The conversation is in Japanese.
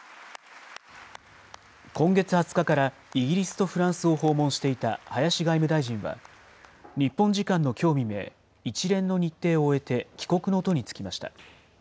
今月２０日からイギリスとフランスを訪問していた林外務大臣は、日本時間のきょう未明、一連の日程を終えて帰国の途に就きました。